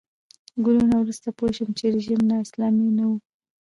کلونه وروسته پوه شوم چې رژیم نا اسلامي نه و.